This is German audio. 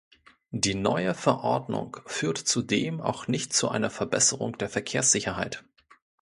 Die neue Verordnung führt zudem auch nicht zu einer Verbesserung der Verkehrssicherheit.